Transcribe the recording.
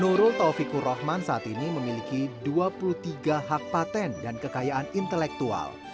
nurul taufikur rahman saat ini memiliki dua puluh tiga hak patent dan kekayaan intelektual